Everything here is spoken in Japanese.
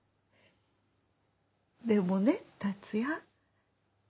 でもね竜也。